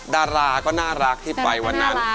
ดาราก็น่ารักที่ไปวันนั้น